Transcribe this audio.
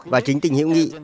và chính tình hữu nghị